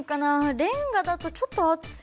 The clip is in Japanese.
レンガだとちょっと暑いのかな。